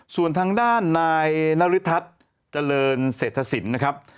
ส่วนทางด้านนายนริทัศน์เจริญเศรษฐศิลป์นะครับ